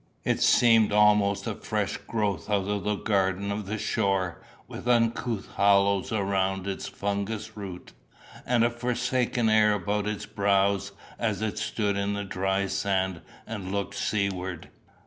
It seemed almost a fresh growth out of the garden of the shore, with uncouth hollows around its fungous root, and a forsaken air about its brows as it stood in the dry sand and looked seaward.